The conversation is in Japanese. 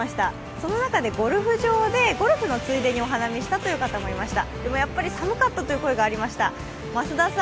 その中でゴルフ場でゴルフのついでにお花見したという方がいらっしゃいました。